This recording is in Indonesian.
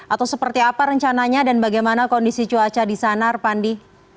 atau seperti apa rencananya dan bagaimana kondisi cuaca di sana arpandi